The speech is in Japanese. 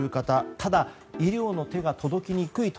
ただ、医療の手が届きにくいと。